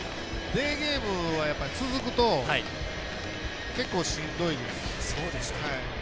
デーゲームは続くと結構しんどいです。